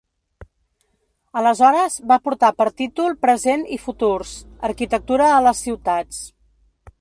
Aleshores, va portar per títol Present i futurs: arquitectura a les ciutats.